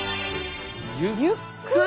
ゆっくり？